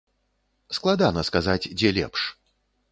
Складана сказаць, дзе лепш.